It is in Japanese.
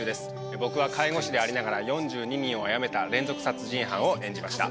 僕は介護士でありながら４２人を殺めた連続殺人犯を演じました。